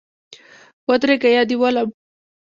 ودرېږه یا دي ولم